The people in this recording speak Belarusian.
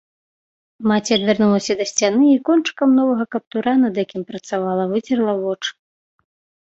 Маці адвярнулася да сцяны і кончыкам новага каптура, над якім працавала, выцерла вочы.